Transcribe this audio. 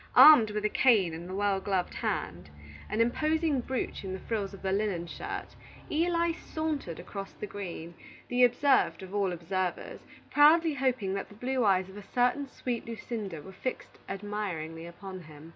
Armed with a cane in the well gloved hand, an imposing brooch in the frills of the linen shirt, Eli sauntered across the green, the observed of all observers, proudly hoping that the blue eyes of a certain sweet Lucinda were fixed admiringly upon him.